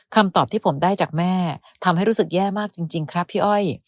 คำตอบที่ผมได้จากแม่ทำให้รู้สึกแย่มากจริงครับพี่อ้อย